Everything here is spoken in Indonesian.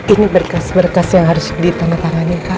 ini berkas berkas yang harus ditandatangani